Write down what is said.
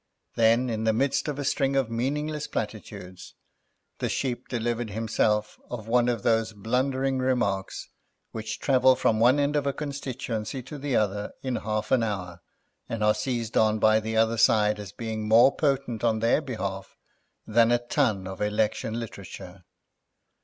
Then, in the midst of a string of meaningless platitudes, the Sheep delivered himself of one of those blundering remarks which travel from one end of a constituency to the other in half an hour, and are seized on by the other side as being more potent on their behalf than a ton of election literature.